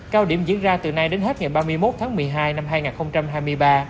cao điểm diễn ra từ nay đến hết ngày ba mươi một tháng một mươi hai năm hai nghìn hai mươi ba